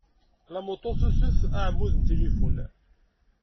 Lamoto tutef aɛmud n tilifun.